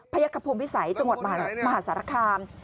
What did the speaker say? พระยกภพมพิสัยจังหวัดมหาศาลคา